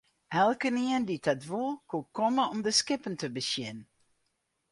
Elkenien dy't dat woe, koe komme om de skippen te besjen.